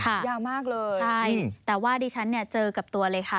ยาวมากเลยใช่แต่ว่าดิฉันเนี่ยเจอกับตัวเลยค่ะ